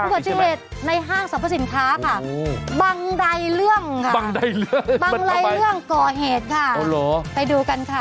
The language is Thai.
ปฏิเหตุในห้างสรรพสินค้าค่ะบังใดเรื่องค่ะบังไรเรื่องก่อเหตุค่ะไปดูกันค่ะ